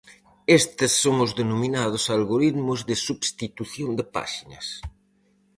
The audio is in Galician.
Estes son os denominados Algoritmos de substitución de páxinas.